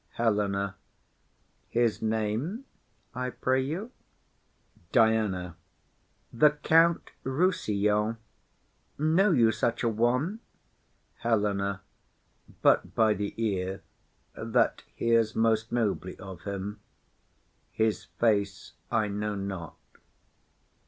HELENA. His name, I pray you. DIANA. The Count Rossillon. Know you such a one? HELENA. But by the ear, that hears most nobly of him; His face I know not.